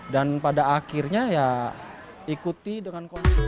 dan pada akhirnya ya ikuti dengan kompetensi